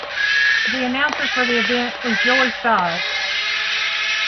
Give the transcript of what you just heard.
The announcer for the event was Joey Styles.